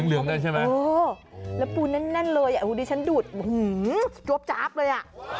เออนี่โอ้แล้วปูนาแน่นเลยดิฉันดูดหื้อจ๊อบเลย